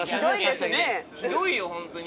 ひどいよホントに。